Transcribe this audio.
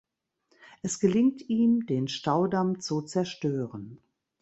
Es gelingt ihm, den Staudamm zu zerstören.